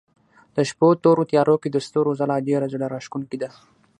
د شپو تورو تيارو کې د ستورو ځلا ډېره زړه راښکونکې ده.